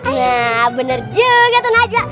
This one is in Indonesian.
iya bener juga tuh najwa